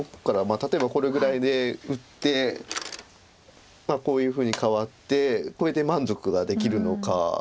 例えばこれぐらいで打ってこういうふうに換わってこれで満足ができるのか。